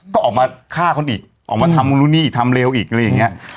ก็ออกมาฆ่าคนอีกออกมาทำนู่นนี่ทำเร็วอีกอะไรอย่างนี้